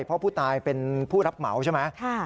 เพราะผู้ตายเป็นผู้รับเหมาใช่ไหม